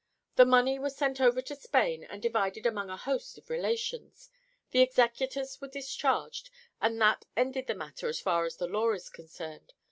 The money was sent over to Spain and divided among a host of relations, the executors were discharged, and that ended the matter as far as the law is concerned.